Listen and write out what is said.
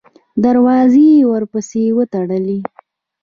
دروازې یې ورپسې وتړلې.